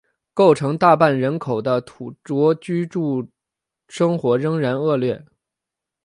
构成大半人口的土着居住生活仍然恶劣。